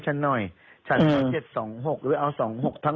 ชั้นนึมไปอูบลชั้นไปถึงอูบน